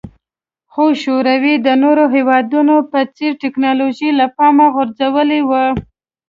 خو شوروي د نورو هېوادونو په څېر ټکنالوژي له پامه غورځولې وه